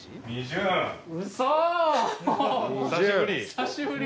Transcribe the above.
久しぶり。